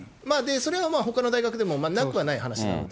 それはまあほかの大学でもなくはない話なので。